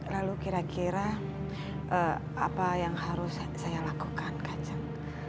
lalu kira kira apa yang harus saya lakukan kacang